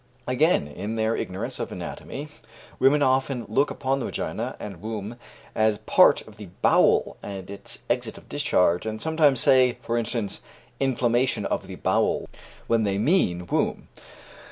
Again, in their ignorance of anatomy, women often look upon the vagina and womb as part of the bowel and its exit of discharge, and sometimes say, for instance, 'inflammation of the bowel', when they mean womb.